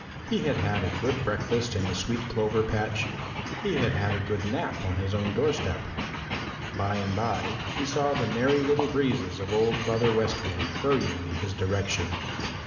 He had had a good breakfast in the sweet clover patch. He had had a good nap on his own doorstep. By and by he saw the Merry Little Breezes of old Mother West Wind hurrying in his direction.